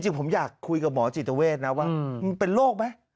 จริงผมอยากคุยกับหมอจิตเวทนะว่ามันเป็นโรคไหม